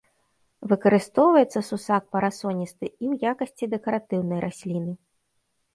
Выкарыстоўваецца сусак парасоністы і ў якасці дэкаратыўнай расліны.